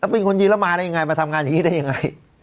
เป็นคนยืนแล้วมาได้ยังไงมาทำงานอย่างนี้ได้ยังไง